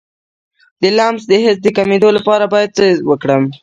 د لمس د حس د کمیدو لپاره باید څه وکړم؟